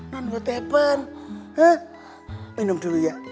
non apa yang terjadi